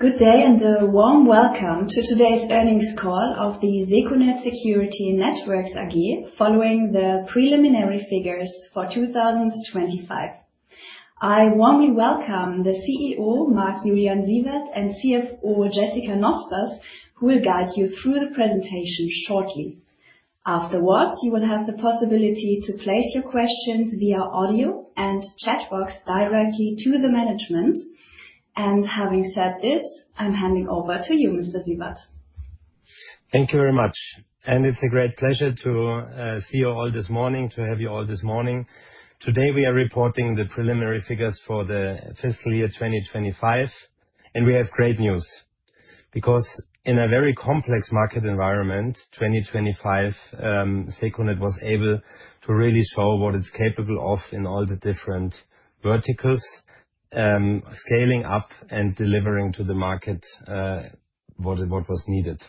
Good day, and a warm welcome to Today's Earnings Call of the secunet Security Networks AG, following the preliminary figures for 2025. I warmly welcome the CEO, Marc-Julian Siewert, and CFO, Jessica Nospers, who will guide you through the presentation shortly. Afterwards, you will have the possibility to place your questions via audio and chat box directly to the management. Having said this, I'm handing over to you, Mr. Siewert. Thank you very much, and it's a great pleasure to see you all this morning, to have you all this morning. Today, we are reporting the preliminary figures for the fiscal year 2025, and we have great news. Because in a very complex market environment, 2025, secunet was able to really show what it's capable of in all the different verticals, scaling up and delivering to the market, what, what was needed.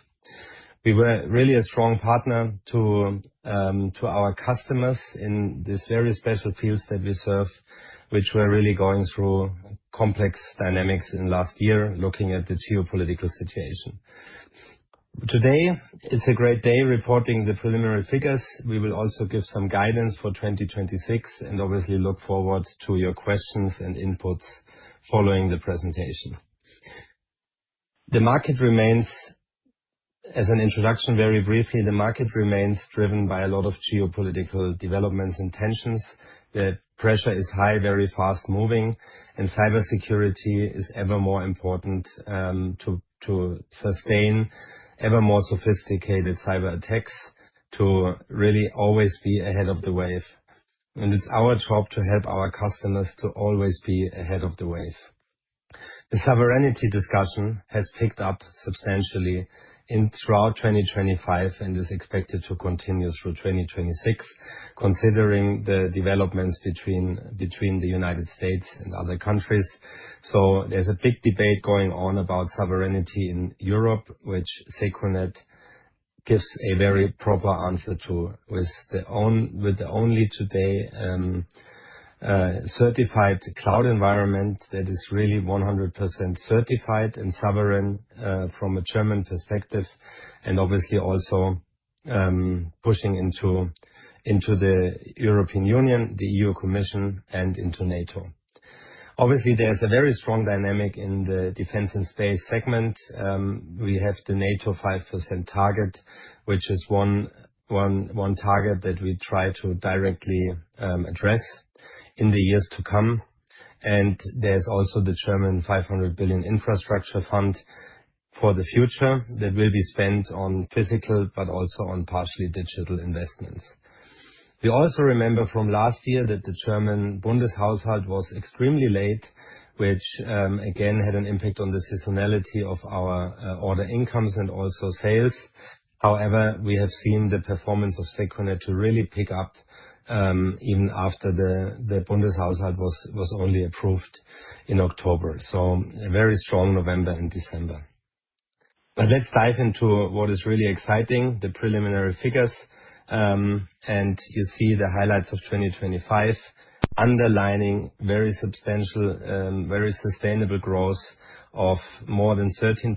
We were really a strong partner to, to our customers in these very special fields that we serve, which were really going through complex dynamics in last year, looking at the geopolitical situation. Today, it's a great day reporting the preliminary figures. We will also give some guidance for 2026, and obviously look forward to your questions and inputs following the presentation. The market remains... As an introduction, very briefly, the market remains driven by a lot of geopolitical developments and tensions. The pressure is high, very fast-moving, and cybersecurity is ever more important to sustain ever more sophisticated cyber attacks, to really always be ahead of the wave. And it's our job to help our customers to always be ahead of the wave. The sovereignty discussion has picked up substantially throughout 2025, and is expected to continue through 2026, considering the developments between the United States and other countries. So there's a big debate going on about sovereignty in Europe, which secunet gives a very proper answer to, with the only today certified cloud environment that is really 100% certified and sovereign from a German perspective, and obviously also pushing into the European Union, the E.U. Commission, and into NATO. Obviously, there's a very strong dynamic in the defense and space segment. We have the NATO 5% target, which is one target that we try to directly address in the years to come. There's also the German 500 billion infrastructure fund for the future that will be spent on physical, but also on partially digital investments. We also remember from last year that the German Bundeshaushalt was extremely late, which, again, had an impact on the seasonality of our, order incomes and also sales. However, we have seen the performance of secunet to really pick up, even after the Bundeshaushalt was only approved in October. So a very strong November and December. But let's dive into what is really exciting, the preliminary figures. You see the highlights of 2025, underlining very substantial, very sustainable growth of more than 13%,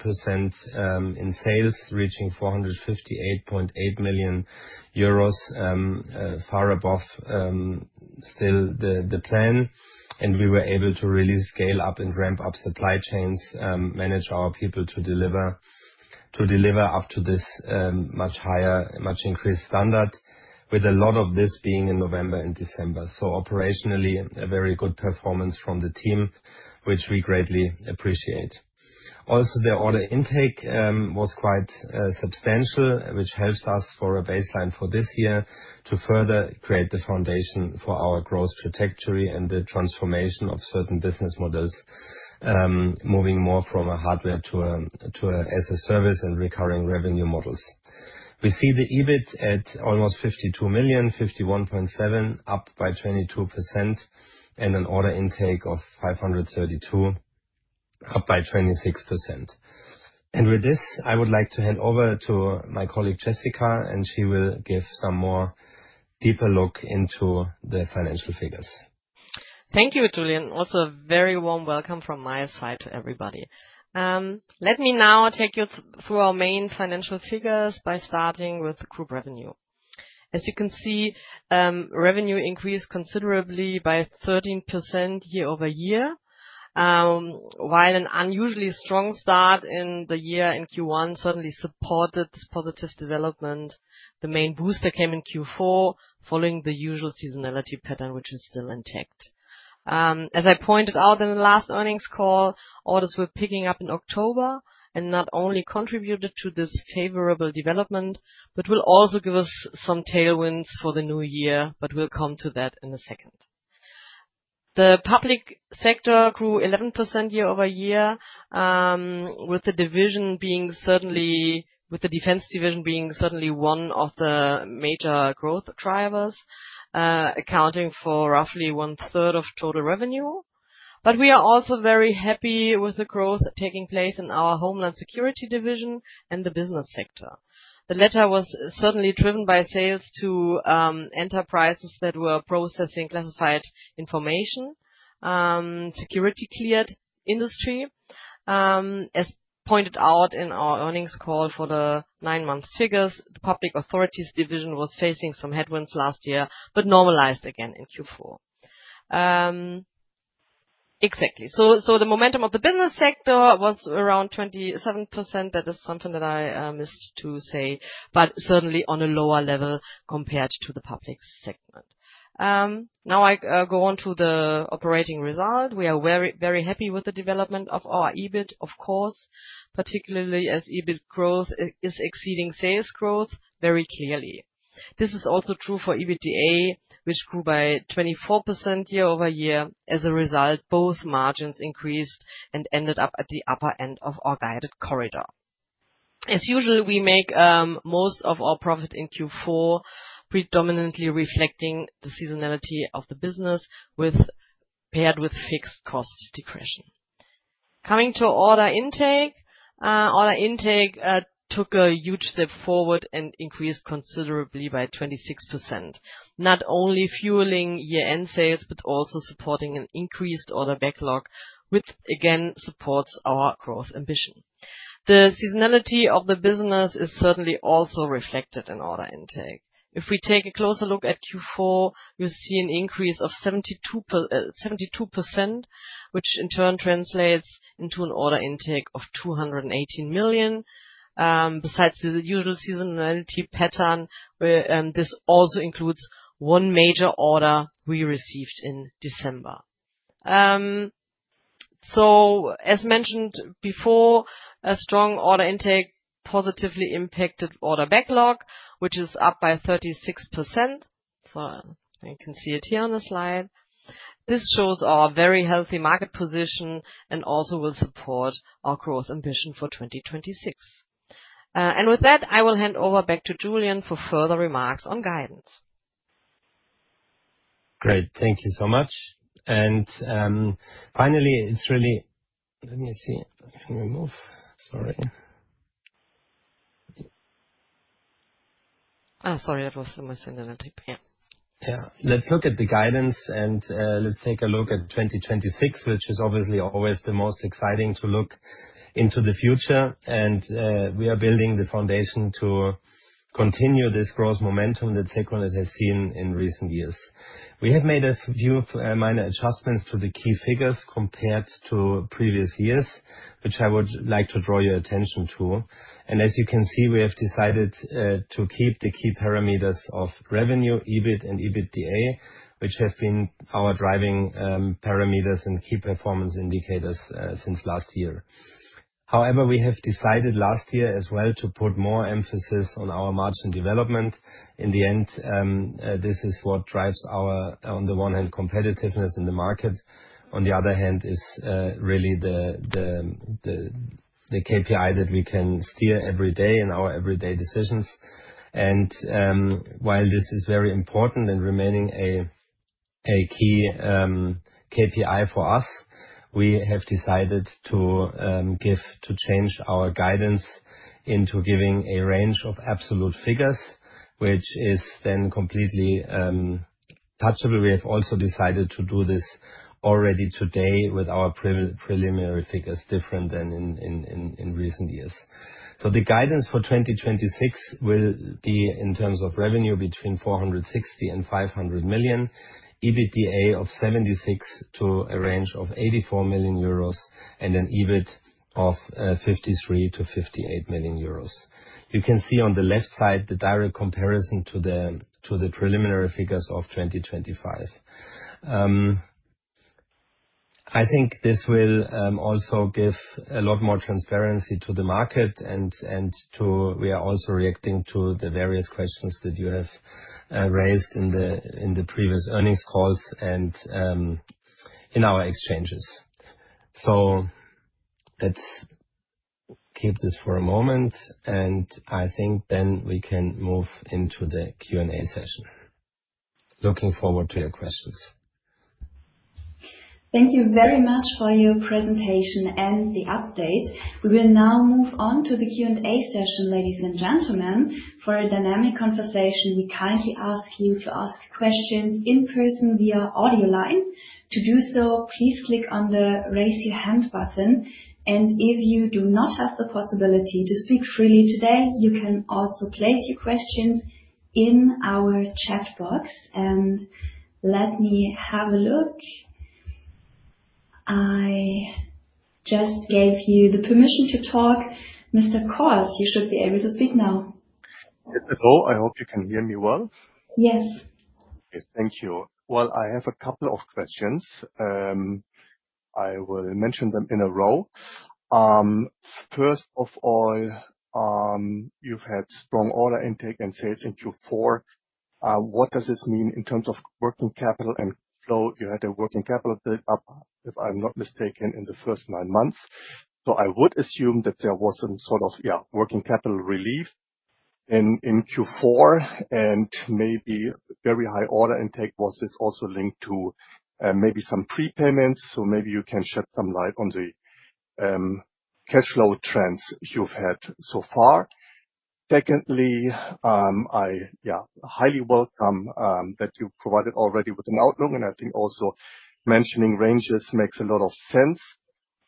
in sales, reaching 458.8 million euros, far above, still the plan. We were able to really scale up and ramp up supply chains, manage our people to deliver up to this much higher, much increased standard, with a lot of this being in November and December. So operationally, a very good performance from the team, which we greatly appreciate. Also, the order intake was quite substantial, which helps us for a baseline for this year to further create the foundation for our growth trajectory and the transformation of certain business models, moving more from a hardware to a as a service and recurring revenue models. We see the EBIT at almost 52 million, 51.7 million, up by 22%, and an order intake of 532 million, up by 26%. With this, I would like to hand over to my colleague, Jessica, and she will give some more deeper look into the financial figures. Thank you, Julian. Also, a very warm welcome from my side to everybody. Let me now take you through our main financial figures by starting with group revenue. As you can see, revenue increased considerably by 13% year-over-year. While an unusually strong start in the year in Q1 certainly supported this positive development, the main booster came in Q4, following the usual seasonality pattern, which is still intact. As I pointed out in the last earnings call, orders were picking up in October, and not only contributed to this favorable development, but will also give us some tailwinds for the new year, but we'll come to that in a second. The public sector grew 11% year-over-year, with the defense division being certainly one of the major growth drivers, accounting for roughly 1/3 of total revenue. But we are also very happy with the growth taking place in our Homeland Security division and the business sector. The latter was certainly driven by sales to enterprises that were processing classified information, security-cleared industry. As pointed out in our earnings call for the nine-month figures, the public authorities division was facing some headwinds last year, but normalized again in Q4. Exactly. So the momentum of the business sector was around 27%. That is something that I missed to say, but certainly on a lower level compared to the public segment. Now I go on to the operating result. We are very, very happy with the development of our EBIT, of course, particularly as EBIT growth is, is exceeding sales growth very clearly. This is also true for EBITDA, which grew by 24% year-over-year. As a result, both margins increased and ended up at the upper end of our guided corridor. As usual, we make most of our profit in Q4, predominantly reflecting the seasonality of the business with paired with fixed cost depreciation. Coming to order intake. Order intake took a huge step forward and increased considerably by 26%, not only fueling year-end sales, but also supporting an increased order backlog, which again supports our growth ambition. The seasonality of the business is certainly also reflected in order intake. If we take a closer look at Q4, you'll see an increase of 72%, which in turn translates into an order intake of 218 million. Besides the usual seasonality pattern, this also includes one major order we received in December. So as mentioned before, a strong order intake positively impacted order backlog, which is up by 36%. So you can see it here on the slide. This shows our very healthy market position and also will support our growth ambition for 2026. And with that, I will hand over back to Julian for further remarks on guidance. Great. Thank you so much. And, finally, it's really... Let me see. Can we move? Sorry. Sorry, that was my synthetic, yeah. Yeah. Let's look at the guidance and, let's take a look at 2026, which is obviously always the most exciting to look into the future. We are building the foundation to continue this growth momentum that secunet has seen in recent years. We have made a few, minor adjustments to the key figures compared to previous years, which I would like to draw your attention to. As you can see, we have decided, to keep the key parameters of revenue, EBIT and EBITDA, which have been our driving, parameters and key performance indicators, since last year. However, we have decided last year as well to put more emphasis on our margin development. In the end, this is what drives our, on the one hand, competitiveness in the market. On the other hand, is really the KPI that we can steer every day in our everyday decisions. And while this is very important in remaining a key KPI for us, we have decided to change our guidance into giving a range of absolute figures, which is then completely touchable. We have also decided to do this already today with our preliminary figures, different than in recent years. So the guidance for 2026 will be in terms of revenue, between 460 million and 500 million, EBITDA of 76 million to a range of 84 million euros, and an EBIT of 53-58 million euros. You can see on the left side the direct comparison to the preliminary figures of 2025. I think this will also give a lot more transparency to the market and we are also reacting to the various questions that you have raised in the previous earnings calls and in our exchanges. So let's keep this for a moment, and I think then we can move into the Q&A session. Looking forward to your questions. Thank you very much for your presentation and the update. We will now move on to the Q&A session, ladies and gentlemen. For a dynamic conversation, we kindly ask you to ask questions in person via audio line. To do so, please click on the Raise Your Hand button, and if you do not have the possibility to speak freely today, you can also place your questions in our chat box, and let me have a look. I just gave you the permission to talk. Mr. Cohrs, you should be able to speak now. Yes, hello. I hope you can hear me well. Yes. Yes, thank you. Well, I have a couple of questions. I will mention them in a row. First of all, you've had strong order intake and sales in Q4. What does this mean in terms of working capital and flow? You had a working capital build-up, if I'm not mistaken, in the first nine months. So I would assume that there was some sort of, yeah, working capital relief in Q4, and maybe very high order intake. Was this also linked to, maybe some prepayments? So maybe you can shed some light on the cash flow trends you've had so far.... Secondly, I, yeah, highly welcome, that you provided already with an outlook, and I think also mentioning ranges makes a lot of sense.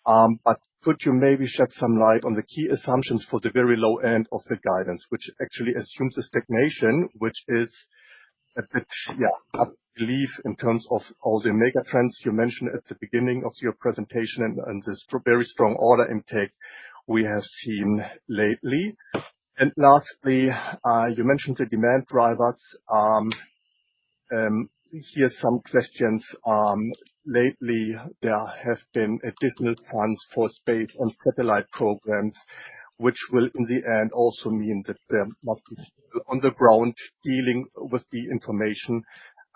But could you maybe shed some light on the key assumptions for the very low end of the guidance, which actually assumes a stagnation, which is a bit, yeah, I believe in terms of all the mega trends you mentioned at the beginning of your presentation and this very strong order intake we have seen lately. And lastly, you mentioned the demand drivers. Here are some questions. Lately there have been additional funds for space and satellite programs, which will in the end also mean that there must be on the ground dealing with the information.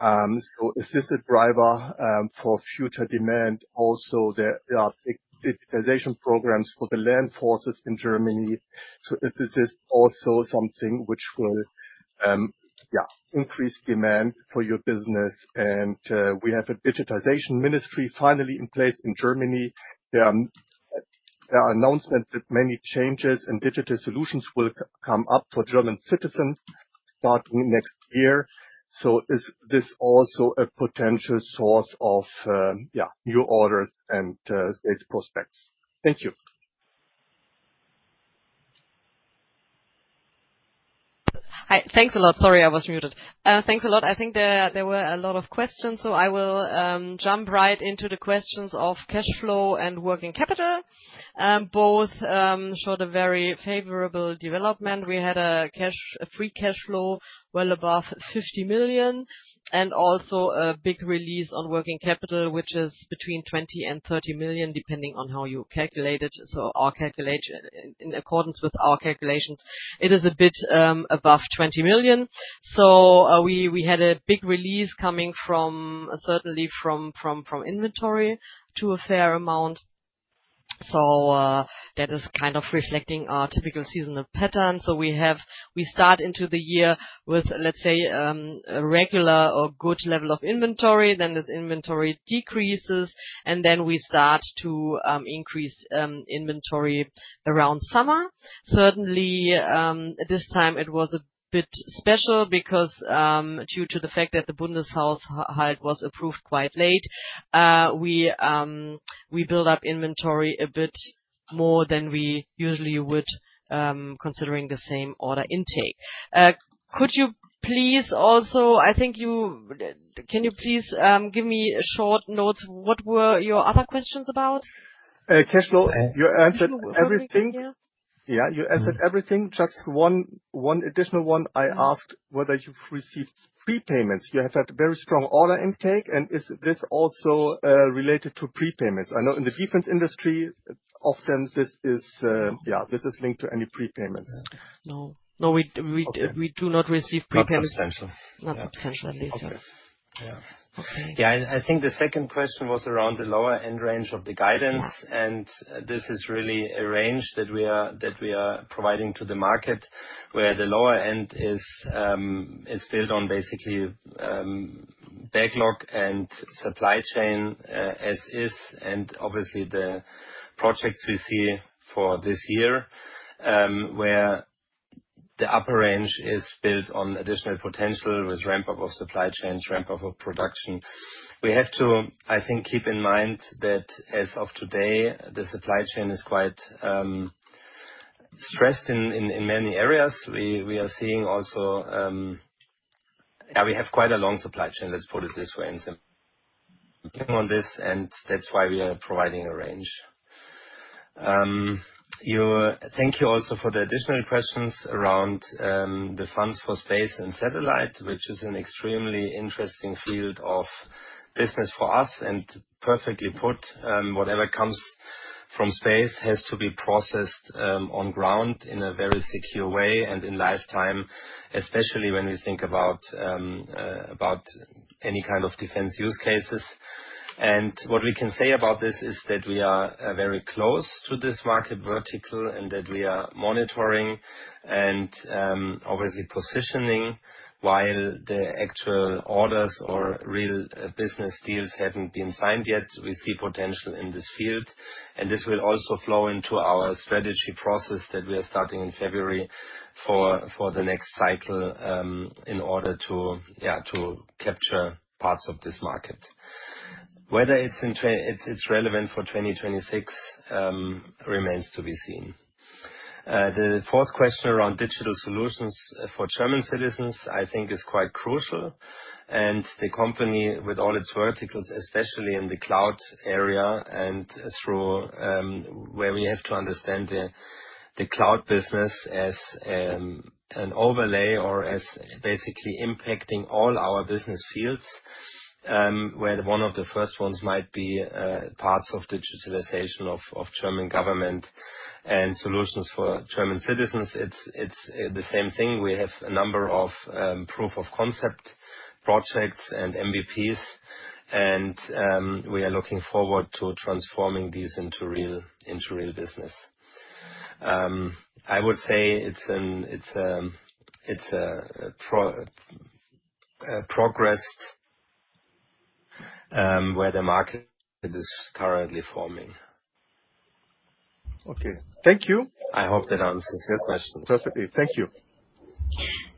So is this a driver for future demand? Also, there are digitization programs for the land forces in Germany, so if this is also something which will increase demand for your business, and we have a digitization ministry finally in place in Germany. There are announcements that many changes in digital solutions will come up for German citizens starting next year. So is this also a potential source of new orders and its prospects? Thank you. Hi. Thanks a lot. Sorry, I was muted. Thanks a lot. I think there were a lot of questions, so I will jump right into the questions of cash flow and working capital. Both showed a very favorable development. We had a free cash flow well above 50 million, and also a big release on working capital, which is between 20 million and 30 million, depending on how you calculate it. So our calculation in accordance with our calculations, it is a bit above 20 million. So, we had a big release coming from, certainly from inventory to a fair amount. So, that is kind of reflecting our typical seasonal pattern. So we start into the year with, let's say, a regular or good level of inventory, then this inventory decreases, and then we start to increase inventory around summer. Certainly, this time it was a bit special because, due to the fact that the Bundeshaushalt was approved quite late, we built up inventory a bit more than we usually would, considering the same order intake. Could you please also give me a short note, what were your other questions about? Cash flow, you answered everything. Yeah, you answered everything. Just one, one additional one. I asked whether you've received prepayments. You have had very strong order intake, and is this also related to prepayments? I know in the defense industry, often this is, yeah, this is linked to any prepayments. No. No, we do not receive prepayments. Not substantially. Not substantially, sir. Okay. Yeah. Yeah, and I think the second question was around the lower end range of the guidance. Yeah. This is really a range that we are providing to the market, where the lower end is built on basically backlog and supply chain as is, and obviously the projects we see for this year, where the upper range is built on additional potential with ramp up of supply chains, ramp up of production. We have to, I think, keep in mind that as of today, the supply chain is quite stressed in many areas. We are seeing also... Yeah, we have quite a long supply chain, let's put it this way, and so on this, and that's why we are providing a range. Thank you also for the additional questions around the funds for space and satellite, which is an extremely interesting field of business for us, and perfectly put, whatever comes from space has to be processed on ground in a very secure way and in lifetime, especially when we think about any kind of defense use cases. What we can say about this is that we are very close to this market vertical, and that we are monitoring and obviously positioning while the actual orders or real business deals haven't been signed yet. We see potential in this field, and this will also flow into our strategy process that we are starting in February for the next cycle in order to, yeah, to capture parts of this market. Whether it's relevant for 2026 remains to be seen. The fourth question around digital solutions for German citizens, I think is quite crucial, and the company with all its verticals, especially in the cloud area and through where we have to understand the cloud business as an overlay or as basically impacting all our business fields, where one of the first ones might be parts of digitalization of German government and solutions for German citizens. It's the same thing. We have a number of proof of concept projects and MVPs, and we are looking forward to transforming these into real business. I would say it's a progress where the market is currently forming. Okay. Thank you. I hope that answers your questions. Perfectly. Thank you.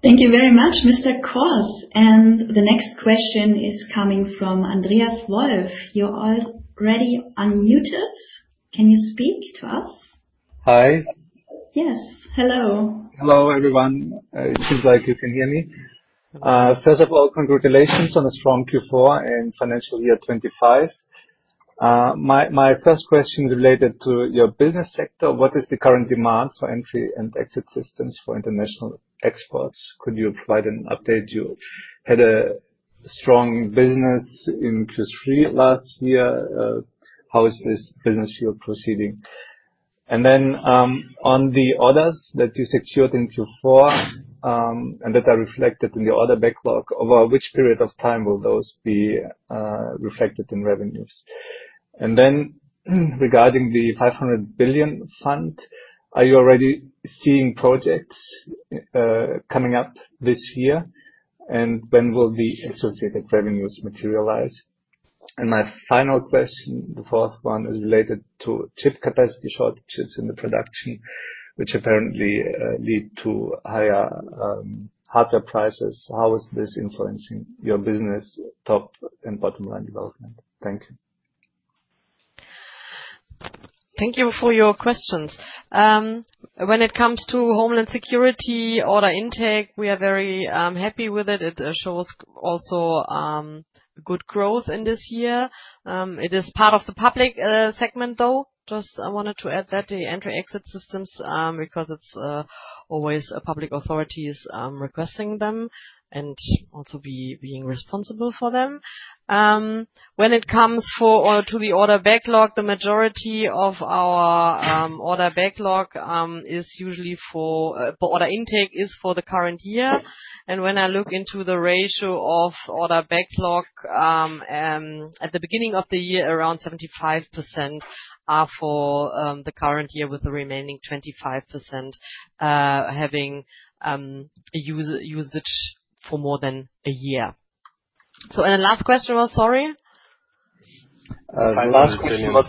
Thank you very much, Mr. Cohrs. The next question is coming from Andreas Wolf. You're already unmuted. Can you speak to us? Hi. Yes. Hello. Hello, everyone. It seems like you can hear me. First of all, congratulations on the strong Q4 and financial year 2025. My first question is related to your business sector. What is the current demand for entry and exit systems for international exports? Could you provide an update? You had a strong business in Q3 last year. How is this business year proceeding? And then, on the orders that you secured in Q4, and that are reflected in the order backlog, over which period of time will those be reflected in revenues? And then, regarding the 500 billion fund, are you already seeing projects coming up this year? And when will the associated revenues materialize? And my final question, the fourth one, is related to chip capacity shortages in the production, which apparently lead to higher hardware prices. How is this influencing your business, top and bottom line development? Thank you. Thank you for your questions. When it comes to Homeland Security order intake, we are very happy with it. It shows also good growth in this year. It is part of the public segment, though. Just I wanted to add that, the entry/exit systems, because it's always a public authorities requesting them and also being responsible for them. When it comes to the order backlog, the majority of our order backlog is usually for order intake, is for the current year. And when I look into the ratio of order backlog at the beginning of the year, around 75% are for the current year, with the remaining 25%, having usage for more than a year. So the last question was, sorry? The last question was- EUR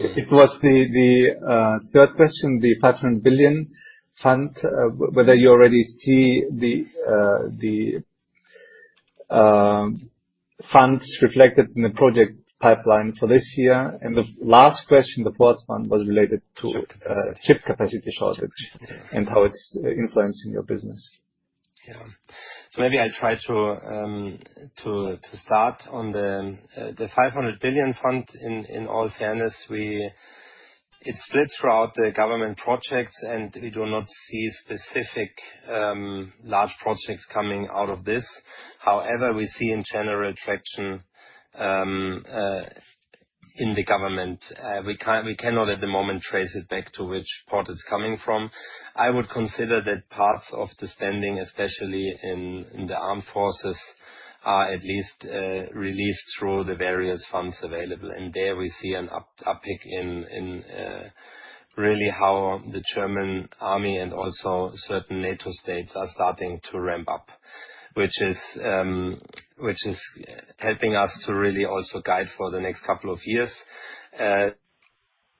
500 billion. It was the third question, the 500 billion fund, whether you already see the funds reflected in the project pipeline for this year. The last question, the fourth one, was related to chip capacity shortage and how it's influencing your business. Yeah. So maybe I'll try to start on the 500 billion fund. In all fairness, we... It's split throughout the government projects, and we do not see specific large projects coming out of this. However, we see in general traction in the government. We can't, we cannot, at the moment, trace it back to which part it's coming from. I would consider that parts of the spending, especially in the armed forces, are at least relieved through the various funds available. And there we see an uptick in really how the German army and also certain NATO states are starting to ramp up, which is helping us to really also guide for the next couple of years.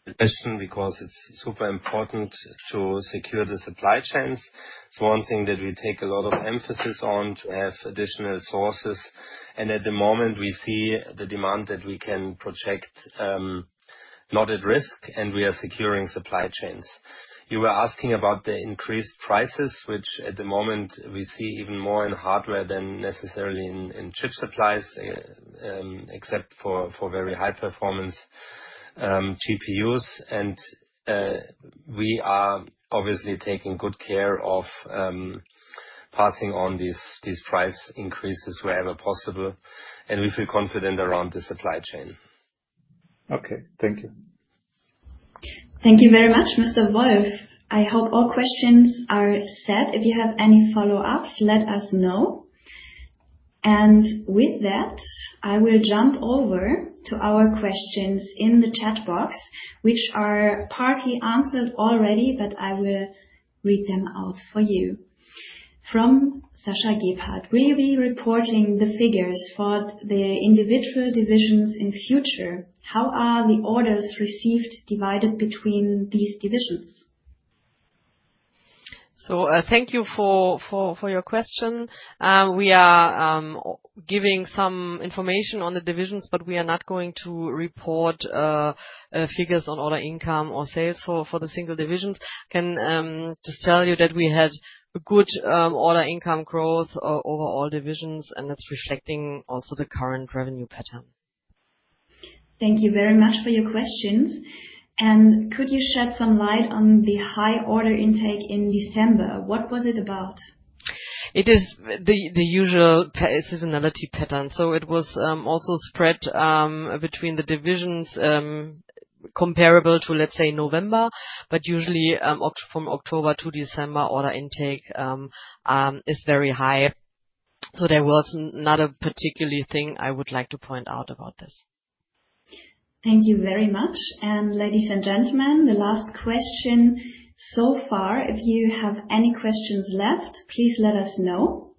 Especially because it's super important to secure the supply chains. It's one thing that we take a lot of emphasis on, to have additional sources, and at the moment, we see the demand that we can project, not at risk, and we are securing supply chains. You were asking about the increased prices, which at the moment we see even more in hardware than necessarily in chip supplies, except for very high performance GPUs. We are obviously taking good care of passing on these price increases wherever possible, and we feel confident around the supply chain. Okay. Thank you. Thank you very much, Mr. Wolf. I hope all questions are set. If you have any follow-ups, let us know. And with that, I will jump over to our questions in the chat box, which are partly answered already, but I will read them out for you. From Sascha Gebhard: Will you be reporting the figures for the individual divisions in future? How are the orders received divided between these divisions? So, thank you for your question. We are giving some information on the divisions, but we are not going to report figures on order income or sales for the single divisions. I can just tell you that we had a good order income growth over all divisions, and it's reflecting also the current revenue pattern. Thank you very much for your questions. Could you shed some light on the high order intake in December? What was it about? It is the usual seasonality pattern, so it was also spread between the divisions, comparable to, let's say, November. But usually, from October to December, order intake is very high. So there was not a particular thing I would like to point out about this. ... Thank you very much. And ladies and gentlemen, the last question so far, if you have any questions left, please let us know.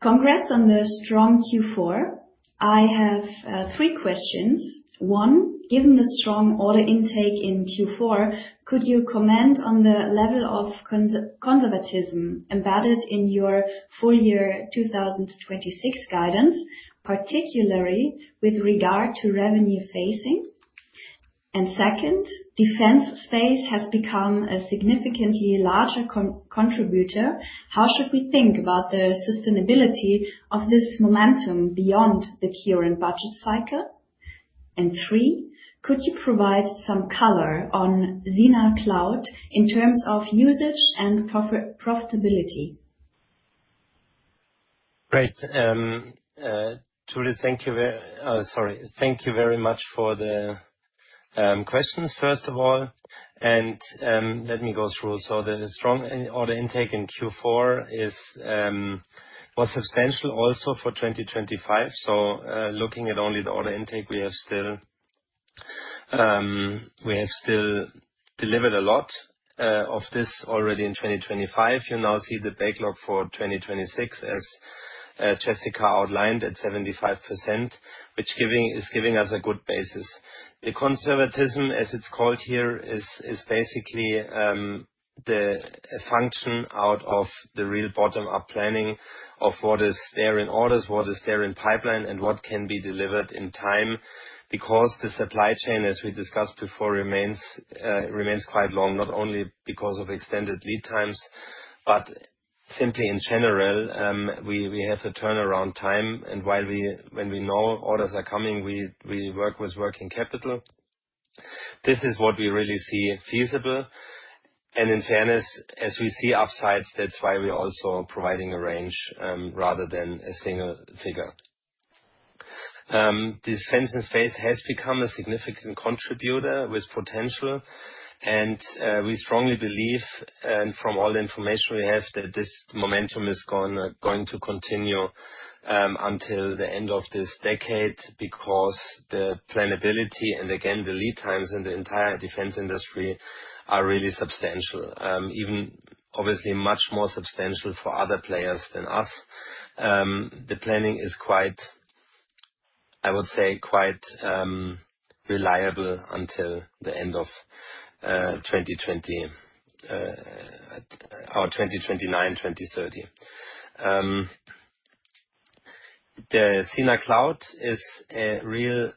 Congrats on the strong Q4. I have three questions. One, given the strong order intake in Q4, could you comment on the level of conservatism embedded in your full year 2026 guidance, particularly with regard to revenue facing? And second, defense space has become a significantly larger contributor. How should we think about the sustainability of this momentum beyond the current budget cycle? And three, could you provide some color on SINA Cloud in terms of usage and profitability? Great. Julie, thank you very, sorry. Thank you very much for the questions, first of all, and let me go through. So the strong order intake in Q4 was substantial also for 2025. So, looking at only the order intake, we have still delivered a lot of this already in 2025. You now see the backlog for 2026, as Jessica outlined, at 75%, which is giving us a good basis. The conservatism, as it's called here, is basically the function out of the real bottom-up planning of what is there in orders, what is there in pipeline, and what can be delivered in time. Because the supply chain, as we discussed before, remains quite long, not only because of extended lead times, but simply in general, we have a turnaround time, and while, when we know orders are coming, we work with working capital. This is what we really see feasible, and in fairness, as we see upsides, that's why we're also providing a range rather than a single figure. The defense and space has become a significant contributor with potential, and we strongly believe, and from all the information we have, that this momentum is going to continue until the end of this decade, because the planability and again, the lead times in the entire defense industry are really substantial. Even obviously much more substantial for other players than us. The planning is quite, I would say, reliable until the end of 2020 or 2029, 2030. The SINA Cloud is a real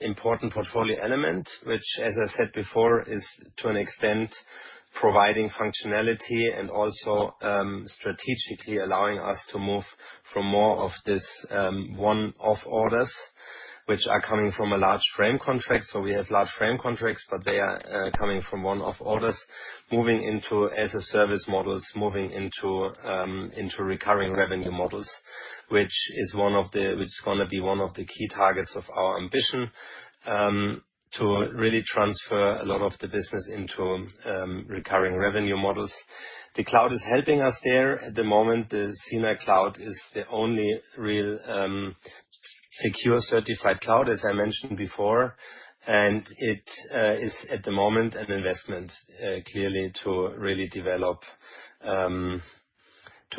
important portfolio element, which, as I said before, is to an extent providing functionality and also strategically allowing us to move from more of this one-off orders, which are coming from a large frame contract. So we have large frame contracts, but they are coming from one-off orders, moving into as-a-service models, moving into into recurring revenue models, which is one of the... Which is gonna be one of the key targets of our ambition to really transfer a lot of the business into recurring revenue models. The cloud is helping us there. At the moment, the SINA Cloud is the only real, secure, certified cloud, as I mentioned before, and it is, at the moment, an investment, clearly to really develop, to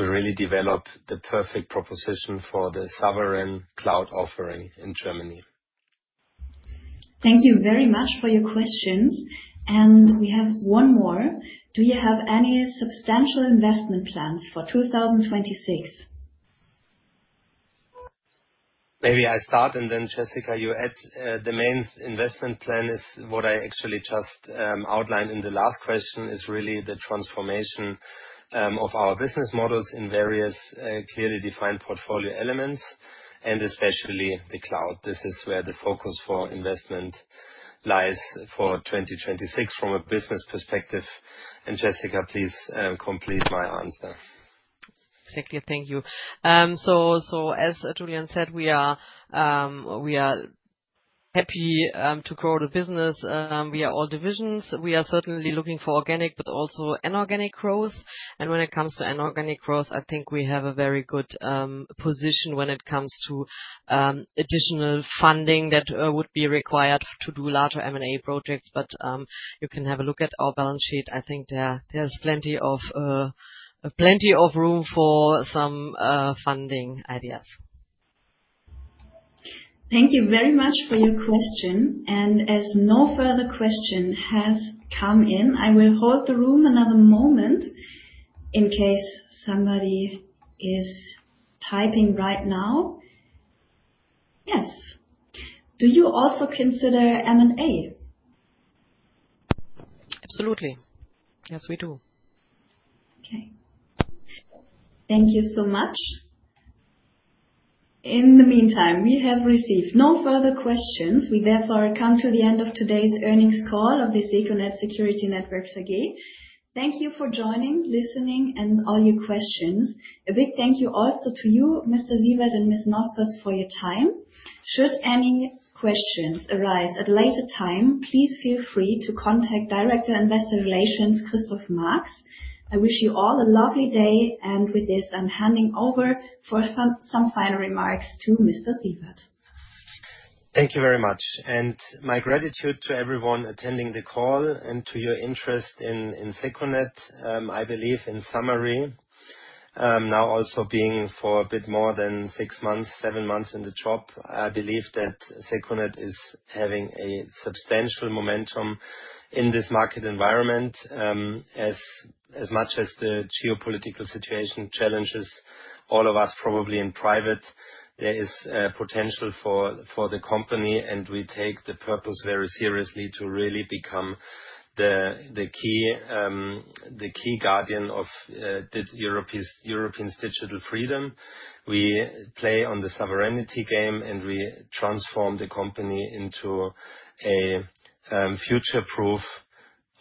really develop the perfect proposition for the sovereign cloud offering in Germany. Thank you very much for your questions, and we have one more. Do you have any substantial investment plans for 2026? Maybe I start, and then, Jessica, you add. The main investment plan is what I actually just outlined in the last question, is really the transformation of our business models in various clearly defined portfolio elements, and especially the cloud. This is where the focus for investment lies for 2026 from a business perspective. Jessica, please, complete my answer. Thank you, thank you. So as Julian said, we are happy to grow the business. We are all divisions. We are certainly looking for organic, but also inorganic growth. And when it comes to inorganic growth, I think we have a very good position when it comes to additional funding that would be required to do larger M&A projects, but you can have a look at our balance sheet. I think there, there's plenty of room for some funding ideas. Thank you very much for your question, and as no further question has come in, I will hold the room another moment in case somebody is typing right now. Yes. Do you also consider M&A? Absolutely. Yes, we do. Okay. Thank you so much. In the meantime, we have received no further questions. We therefore come to the end of today's earnings call of the Secunet Security Networks AG. Thank you for joining, listening, and all your questions. A big thank you also to you, Mr. Siewert and Ms. Nospers, for your time. Should any questions arise at a later time, please feel free to contact Director Investor Relations, Christopher Marks. I wish you all a lovely day, and with this, I'm handing over for some final remarks to Mr. Siewert. Thank you very much, and my gratitude to everyone attending the call and to your interest in, in secunet. I believe in summary, now also being for a bit more than 6 months, 7 months in the job, I believe that secunet is having a substantial momentum in this market environment. As, as much as the geopolitical situation challenges all of us, probably in private, there is, potential for, for the company, and we take the purpose very seriously to really become the, the key, the key guardian of, the Europeans, Europeans' digital freedom. We play on the sovereignty game, and we transform the company into a future-proof,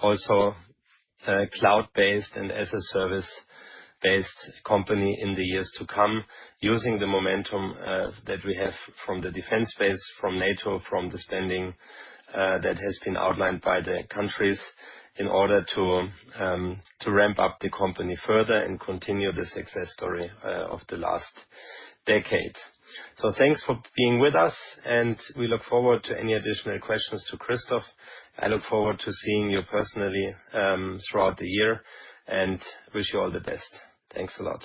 also cloud-based and as-a-service-based company in the years to come, using the momentum that we have from the defense space, from NATO, from the standing that has been outlined by the countries in order to ramp up the company further and continue the success story of the last decade. So thanks for being with us, and we look forward to any additional questions to Christopher. I look forward to seeing you personally throughout the year, and wish you all the best. Thanks a lot.